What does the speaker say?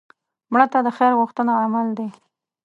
مړه ته د خیر غوښتنه عمل دی